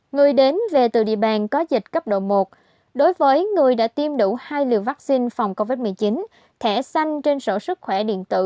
người đến về từ địa bàn có dịch cấp độ một đối với người đã tiêm đủ hai liều vaccine phòng covid một mươi chín thẻ xanh trên sổ sức khỏe điện tử